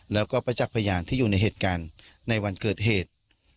แล้วก็ประจักษ์พยานที่อยู่ในเหตุการณ์ในวันเกิดเหตุ